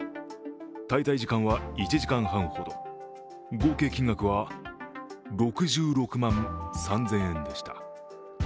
滞在時間は１時間半ほど、合計金額は６６万３０００円でした。